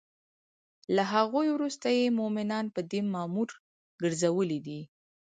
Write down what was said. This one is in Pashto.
له هغوی وروسته یی مومنان په دی مامور ګرځولی دی